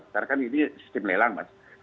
karena kan ini sistem lelang mas